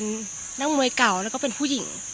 เป็นนักมวยเก่าแล้วก็เป็นผู้หญิง